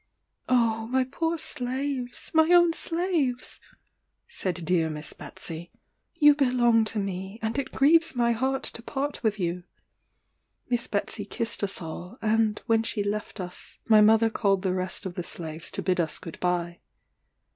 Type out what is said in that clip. "Oh, my poor slaves! my own slaves!" said dear Miss Betsey, "you belong to me; and it grieves my heart to part with you." Miss Betsey kissed us all, and, when she left us, my mother called the rest of the slaves to bid us good bye.